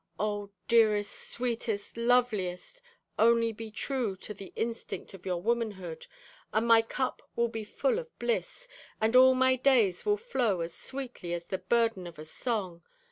Oh, dearest, sweetest, loveliest, only be true to the instinct of your womanhood, and my cup will be full of bliss, and all my days will flow as sweetly as the burden of a song.